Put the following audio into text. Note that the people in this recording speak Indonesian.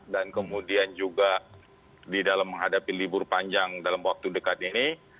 dan kemudian juga di dalam menghadapi libur panjang dalam waktu dekat ini